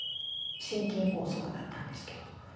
心筋梗塞だったんですけど。